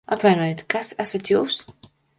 Atvainojiet, kas esat jūs?